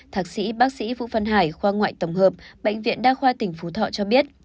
thạc sĩ bác sĩ vũ văn hải khoa ngoại tổng hợp bệnh viện đa khoa tỉnh phú thọ cho biết